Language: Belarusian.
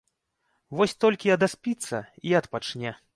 Вось толькі адаспіцца і адпачне.